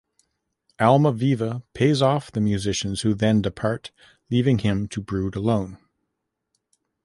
Almaviva pays off the musicians who then depart, leaving him to brood alone.